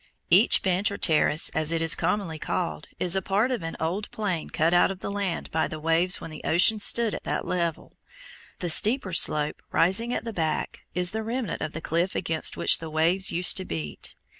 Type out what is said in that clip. Each bench, or terrace as it is commonly called, is a part of an old plain cut out of the land by the waves when the ocean stood at that level. The steeper slope rising at the back is the remnant of the cliff against which the waves used to beat.